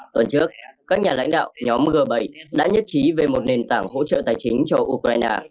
tuần trước các nhà lãnh đạo nhóm g bảy đã nhất trí về một nền tảng hỗ trợ tài chính cho ukraine